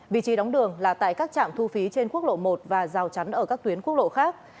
vị trí đóng đường là tại các trạm thu phí trên quốc lộ một và rào chắn ở các tuyến quốc lộ khác